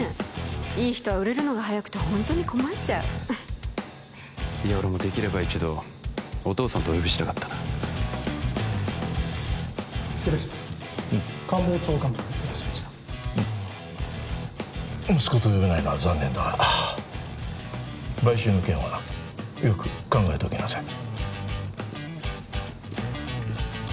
いい人は売れるのが早くてほんとに困っちゃういや俺もできれば一度「お義父さん」とお呼びしたかったな失礼します官房長官がいらっしゃいましたうん息子と呼べないのは残念だが買収の件はよく考えておきなさい